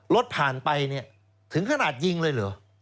รถผ่านไปเนี่ยถึงขนาดยิงเลยเหรอ